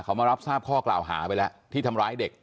เขามารับทราบข้อกล่าวหาไปแล้วที่ทำร้ายเด็ก